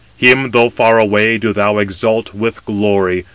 Him, though far away, do thou exalt with glory.